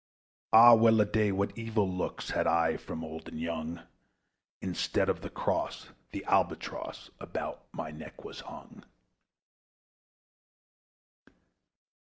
Ah! well a day! what evil looks Had I from old and young! Instead of the cross, the Albatross About my neck was hung.